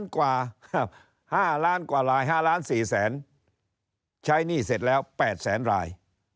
๕๐๐๐๐๐๐กว่ารายใช้หนี้เสร็จแล้ว๘๐๐๐๐๐๐ราย